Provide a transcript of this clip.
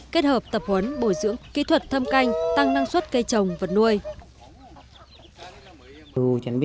kết hợp tập huấn bồi dưỡng kỹ thuật thâm canh tăng năng suất cây trồng vật nuôi